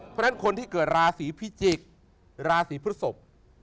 เพราะฉะนั้นคนที่เกิดราศีพิจิกษ์ราศีพฤศพ